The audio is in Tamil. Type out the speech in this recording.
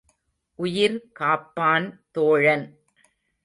உயிர் காப்பான் தோழன்.